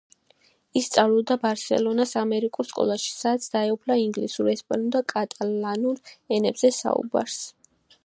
ის სწავლობდა ბარსელონას ამერიკულ სკოლაში, სადაც დაეუფლა ინგლისურ, ესპანურ და კატალანურ ენებზე საუბარს.